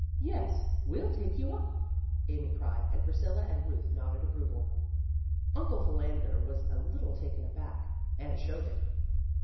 "Yes, we'll take you up," Amy cried, and Priscilla and Euth nodded approval. Uncle Philander was a little taken aback, and showed it.